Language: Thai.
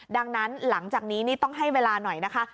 ดังนั้นหลังจากนี้นี่ต้องให้เวลาหน่อยนะคะ